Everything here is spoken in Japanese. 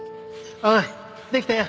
おいできたよ。